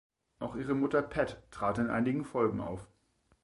Auch ihre Mutter Pat trat in einigen Folgen auf.